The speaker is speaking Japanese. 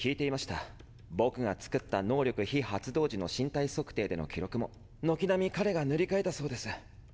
僕が作った能力非発動時の身体測定での記録も軒並み彼が塗り替えたそうです。